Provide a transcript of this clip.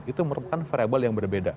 itu merupakan variable yang berbeda